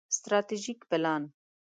ستراتیژیک پلان